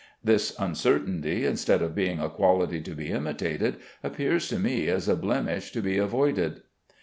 This uncertainty, instead of being a quality to be imitated, appears to me as a blemish to be avoided.